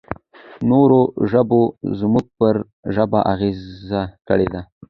نورو ژبو زموږ پر ژبه اغېز کړی دی.